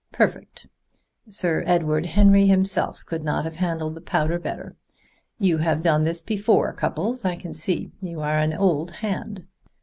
Perfect! Sir Edward Henry himself could not have handled the powder better. You have done this before, Cupples, I can see. You are an old hand."